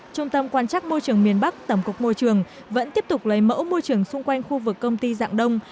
trung tâm quan chắc môi trường miền bắc tổng cục môi trường vẫn tiếp tục lấy mẫu môi trường xung quanh khu vực công ty dạng đông